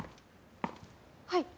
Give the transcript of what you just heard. はい。